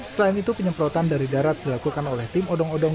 selain itu penyemprotan dari darat dilakukan oleh tim odong odong